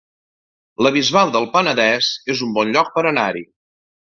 La Bisbal del Penedès es un bon lloc per anar-hi